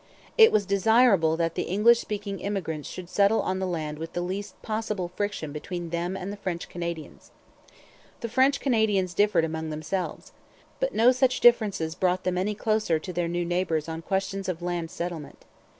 It was desirable that the English speaking immigrants should settle on the land with the least possible friction between them and the French Canadians. The French Canadians differed among themselves. But no such differences brought them any closer to their new neighbours on questions of land settlement.